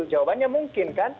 jawabannya mungkin kan